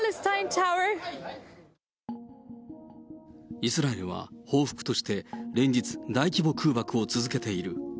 イスラエルは報復として、連日大規模空爆を続けている。